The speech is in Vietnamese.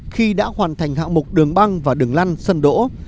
khi đã hoàn thành hạng mục đường băng và đường lăn sân đỗ